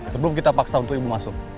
sebelum kita paksa untuk ibu masuk